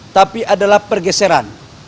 tapi adalah pergeseran